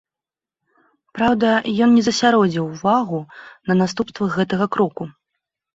Праўда, ён не засяродзіў увагу на наступствах гэтага кроку.